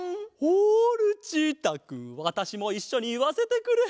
おおルチータくんわたしもいっしょにいわせてくれ！